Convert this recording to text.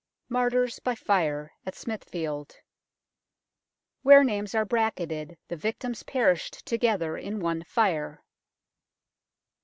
MARTYRS BY FIRE AT SMITHFIELD. Where names are bracketed the victims perished together in one fire.